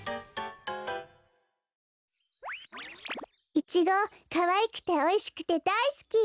イチゴかわいくておいしくてだいすき。